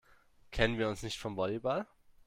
Kennen wir uns nicht vom Volleyball?